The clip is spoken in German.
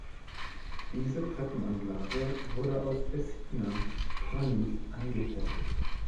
Diese Treppenanlage wurde aus Tessiner Granit angefertigt.